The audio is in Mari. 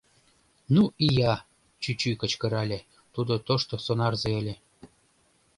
— Ну ия! — чӱчӱ кычкырале, тудо тошто сонарзе ыле.